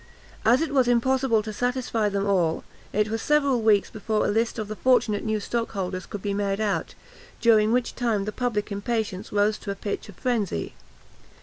As it was impossible to satisfy them all, it was several weeks before a list of the fortunate new stockholders could be made out, during which time the public impatience rose to a pitch of frenzy.